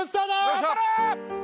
頑張れ！